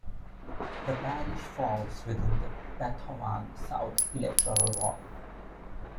The parish falls within the 'Bathavon South' electoral ward.